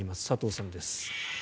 佐藤さんです。